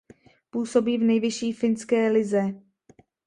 Působí v nejvyšší finské lize.